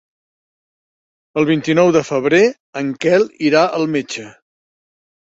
El vint-i-nou de febrer en Quel irà al metge.